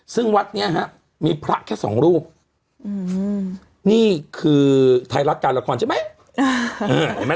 ซึ่งวัดนี้ฮะมีพระแค่สองรูปนี่คือไทยรัฐการละครใช่ไหม